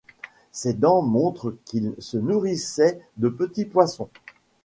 Ses dents montrent qu'il se nourrissait de petits poissons.